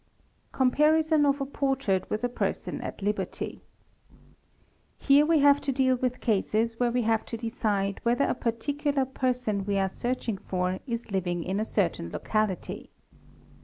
Be fc) Comparison of a portrait with a person at liberty. Here we : to deal with cases where we have to decide whether a particular ~ 270 THE EXPERT person we are searching for is living in a certain locality.